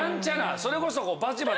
それこそ。